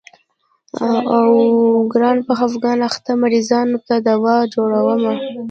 اوو ګرانه په خفګان اخته مريضانو ته دوا جوړومه.